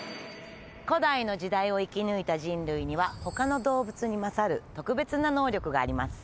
古代の時代を生き抜いた人類には他の動物に勝る特別な能力があります